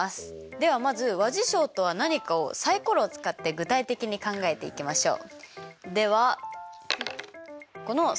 ではまず和事象とは何かをサイコロを使って具体的に考えていきましょう。